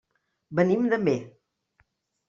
Venim d'Amer.